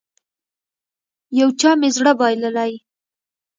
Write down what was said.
يو چا مې زړه بايللی.